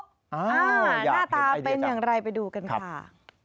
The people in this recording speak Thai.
อยากเห็นไอเดียจังครับอยากเห็นไอเดียจังอ่าหน้าตาเป็นอย่างไรไปดูกันค่ะ